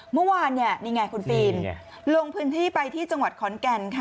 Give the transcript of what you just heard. เมื่อวานนี่ไงคุณฟิล์มลงพื้นที่ไปที่จังหวัดขอนแก่นค่ะ